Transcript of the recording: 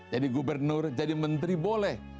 jadi gubernur jadi menteri boleh